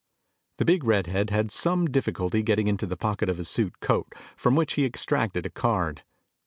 The big redhead had some difficulty getting into the pocket of his suit coat from which he extracted a card.